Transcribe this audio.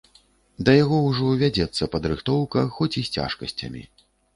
Да яго ўжо вядзецца падрыхтоўка, хоць і з цяжкасцямі.